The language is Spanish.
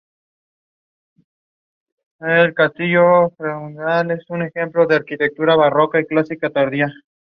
La realización Desde Abajo fue producida por Universal Music Latino.